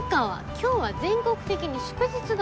今日は全国的に祝日だ。